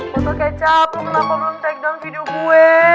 soto kecap kenapa belum takedown video gue